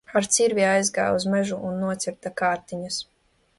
Ar cirvi aizgāja uz mežu un nocirta kārtiņas.